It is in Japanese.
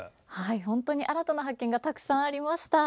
本当に新たな発見がたくさんありました。